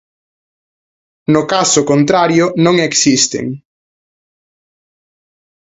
No caso contrario, non existen.